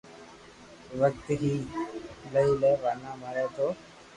وقت ھي لئي لي ورنہ مري تو